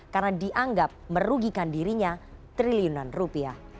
karena dianggap merugikan dirinya triliunan rupiah